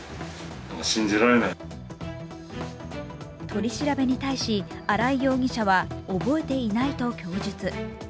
取り調べに対し、荒井容疑者は覚えていないと供述。